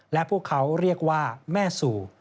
และพวกเขาเรียกว่าแม่สู่